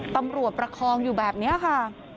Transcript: ตำรวจประคองอยู่แบบนี้ค่ะ